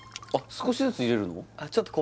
少しずついれるの？